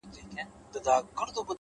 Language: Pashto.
پښتنه ده آخير’